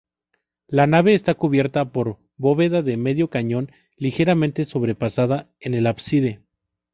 La nave está cubierta por bóveda de medio cañón, ligeramente sobrepasada en el ábside.